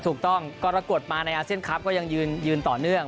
ถูกต้องก็รากฏมาในอาเซนครัฟต์ก็ยังยืนต่อเนื่อง